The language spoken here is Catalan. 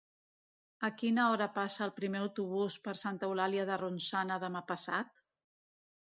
A quina hora passa el primer autobús per Santa Eulàlia de Ronçana demà passat?